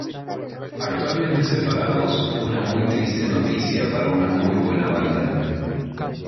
Actualmente separados, una muy triste noticia para una muy buena banda.